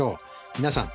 皆さん。